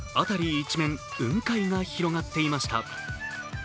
一面、雲海が広がっていました。